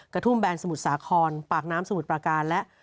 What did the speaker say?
กระทุ่มแบนสมุทรสาครปากน้ำสมุทรประการและ